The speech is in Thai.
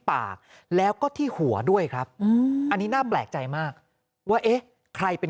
ปากแล้วก็ที่หัวด้วยครับอันนี้น่าแปลกใจมากว่าเอ๊ะใครเป็น